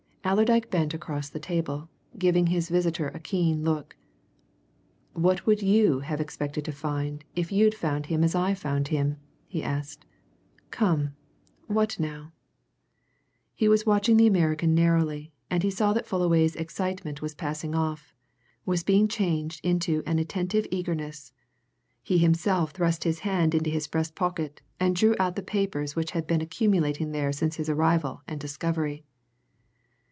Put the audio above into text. Allerdyke bent across the table, giving his visitor a keen look. "What would you have expected to find if you'd found him as I found him?" he asked. "Come what, now?" He was watching the American narrowly, and he saw that Fullaway's excitement was passing off, was being changed into an attentive eagerness. He himself thrust his hand into his breast pocket and drew out the papers which had been accumulating there since his arrival and discovery.